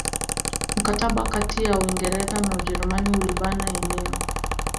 Mkataba kati ya Uingereza na Ujerumani ulibana eneo